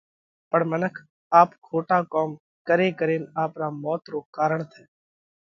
پڻ منک آپ کوٽا ڪوم ڪري ڪرينَ آپرا موت رو ڪارڻ ٿئه۔